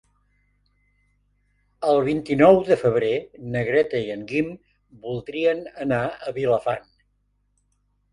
El vint-i-nou de febrer na Greta i en Guim voldrien anar a Vilafant.